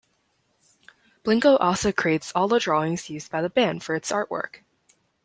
Blinko also creates all the drawings used by the band for its artwork.